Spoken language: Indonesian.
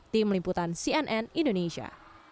tim limputan cnn indonesia